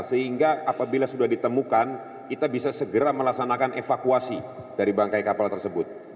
sehingga apabila sudah ditemukan kita bisa segera melaksanakan evakuasi dari bangkai kapal tersebut